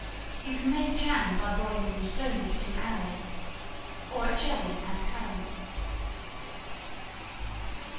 You can make a jam by boiling them slowly for two hours; or a jelly as currants.